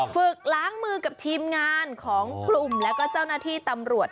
ฝึกล้างมือกับทีมงานของกลุ่มแล้วก็เจ้าหน้าที่ตำรวจ